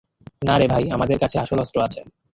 না রে, ভাই, আমাদের কাছে আসল অস্ত্র আছে।